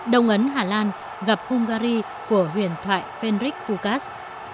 đông ấn hà lan gặp hungary của huyền thoại fenrik pukas